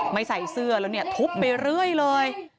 ใส่เสื้อแล้วเนี่ยทุบไปเรื่อยเลย